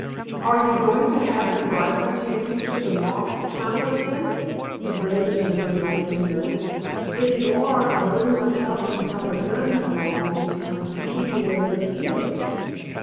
"Are you going to have the Gryphon take you to the Mock Turtle again?" the bunny gentleman wanted to know. "If you are, I'll bring my talcum powder gun along this time, to keep away the mosquitoes."